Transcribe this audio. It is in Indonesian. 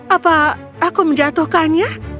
apa aku menjatuhkannya